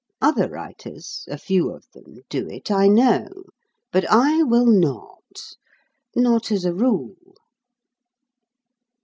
Other writers (a few of them) do it, I know; but I will not not as a rule.